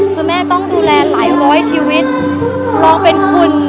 คือแม่ต้องดูแลหลายร้อยชีวิตน้องเป็นคุณ